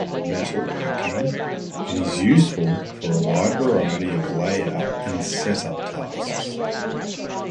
In metalworking, it is useful for a wide variety of layout and setup tasks.